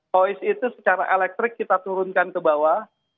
voice itu secara elektrik kita turunkan ke bawah